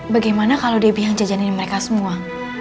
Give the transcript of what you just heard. bagaimana kalau debbie yang jajanin mereka semua